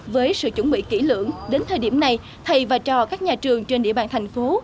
với sự chuẩn bị kỹ lưỡng đến thời điểm này thầy và trò các nhà trường trên địa bàn thành phố